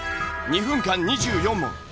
２分間２４問。